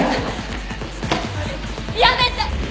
やめて！